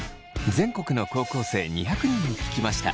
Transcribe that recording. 全国の高校生２００人に聞きました。